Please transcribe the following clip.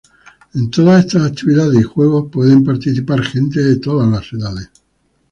En todas estas actividades y juegos pueden participar gente de todas las edades.